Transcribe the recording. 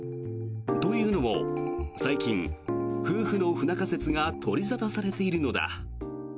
というのも最近、夫婦の不仲説が取り沙汰されているのだ。